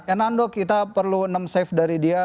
hernando kita perlu enam save dari dia